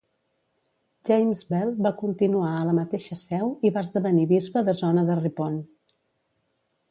James Bell va continuar a la mateixa seu, i va esdevenir bisbe de zona de Ripon.